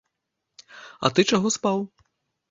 А ты чаго спаў?